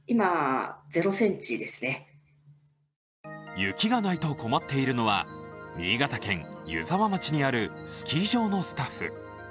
雪がないと困っているのは新潟県湯沢町にあるスキー場のスタッフ。